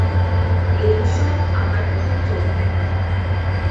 এ-সব আমার প্রথম যৌবনের কথা।